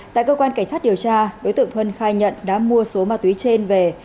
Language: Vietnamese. tại cơ quan cảnh sát điều tra đối tượng thuân khai nhận đã mua số ma túy trên về